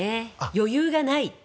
余裕がない。